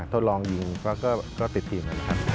ทดลองยิงก็ติดทีม